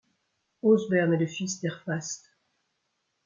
Osberne est le fils d’Herfast.